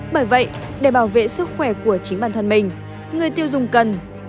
bởi vậy để bảo vệ sức khỏe của chính bản thân mình người tiêu dùng cần